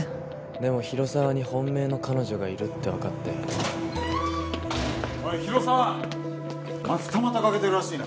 でも広沢に本命の彼女がいるって分かっておい広沢！お前二股かけてるらしいな